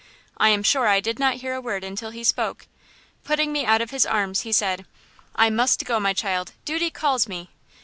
I am sure I did not hear a word until he spoke. Putting me out of his arms, he said: "'I must go, my child; duty calls me.'